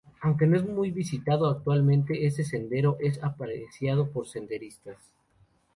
Aunque no es muy visitado actualmente, este sendero es apreciado por senderistas.